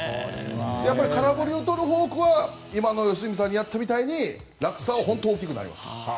やっぱり空振りをとるフォークは良純さんにやったみたいに落差は本当に大きくなります。